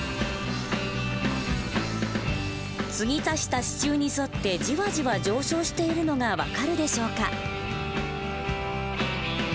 継ぎ足した支柱に沿ってじわじわ上昇しているのが分かるでしょうか？